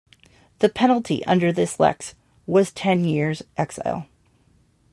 The penalty under this lex was ten years' exile.